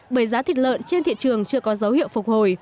bởi giá thịt lợn trên thị trường chưa có dấu hiệu phục hồi